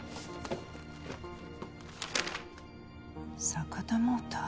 「坂田モーター」？